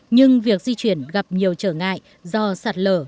nhưng việc di chuyển gặp nhiều trở ngại do sạt lở